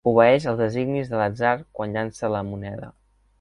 Obeeix els designis de l'atzar quan llança la moneda.